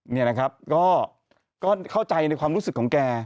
นี่นะครับก็เข้าใจในความรู้สึกของแก